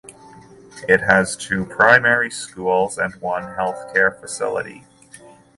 It has two primary schools and one healthcare facility.